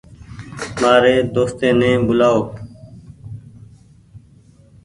مآريِ دوستي ني ٻولآئو۔